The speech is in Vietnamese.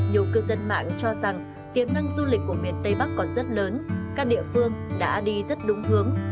nhiều cư dân mạng cho rằng tiềm năng du lịch của miền tây bắc còn rất lớn các địa phương đã đi rất đúng hướng